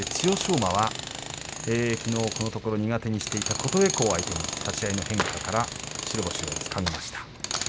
馬はきのうこのところ苦手にしていた琴恵光相手に立ち合いの変化から白星をつかみました。